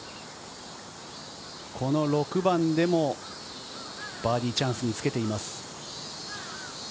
この６番でもバーディーチャンスにつけています。